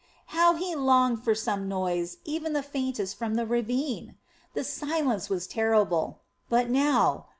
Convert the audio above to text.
How he longed for some noise, even the faintest, from the ravine! The silence was terrible. But now!